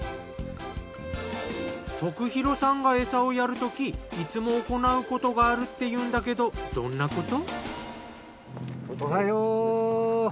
徳弘さんが餌をやるときいつも行うことがあるっていうんだけどどんなこと？